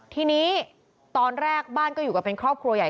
ทีนี้ตอนแรกบ้านก็อยู่กันเป็นครอบครัวใหญ่